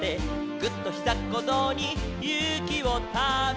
「ぐっ！とひざっこぞうにゆうきをため」